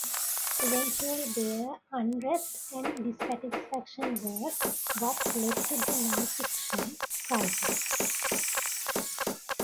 Eventually, their unrest and dissatisfaction was what led to the nullification crisis.